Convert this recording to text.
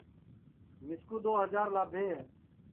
مِسکُو دؔو ہجار لابھے ہے